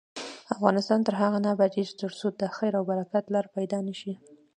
افغانستان تر هغو نه ابادیږي، ترڅو د خیر او برکت لاره پیدا نشي.